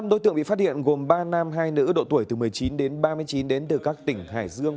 năm đối tượng bị phát hiện gồm ba nam hai nữ độ tuổi từ một mươi chín đến ba mươi chín đến từ các tỉnh hải dương